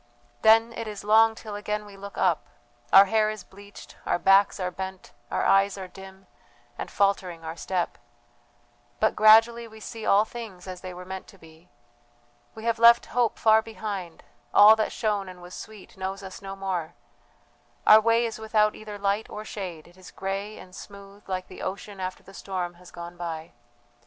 "Then it is long till again we look up. Our hair is bleached, our backs are bent, our eyes are dim, and faltering our step; but gradually we see all things as they were meant to be we have left hope far behind, all that shone and was sweet knows us no more; our way is without either light or shade, it is grey and smooth like the ocean after the storm has gone by.